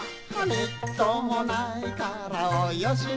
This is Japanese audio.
「みっともないからおよしなさい」